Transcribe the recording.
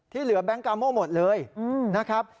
เหลือแบงค์กาโม่หมดเลยนะครับ